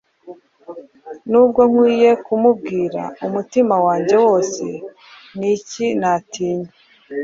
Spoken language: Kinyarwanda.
Nubwo nkwiye kumubwira umutima wanjye wose, ni iki natinya?